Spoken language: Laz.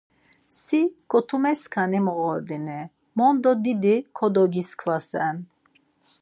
Si kotumeskani moğordini mondo didi kodogiskvasen.